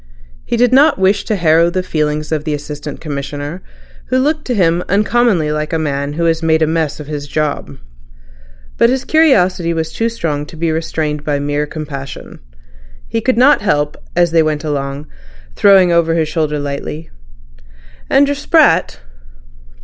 He did not wish to harrow the feelings of the Assistant Commissioner, who looked to him uncommonly like a man who has made a mess of his job. But his curiosity was too strong to be restrained by mere compassion. He could not help, as they went along, to throw over his shoulder lightly: "And your sprat?"